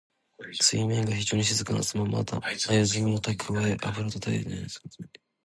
水面が非情に静かなさま。まゆずみをたくわえ、あぶらをたたえたような静かな水面という意味。